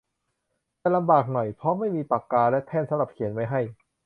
จะลำบากหน่อยเพราะไม่มีปากกาและแท่นสำหรับเขียนไว้ให้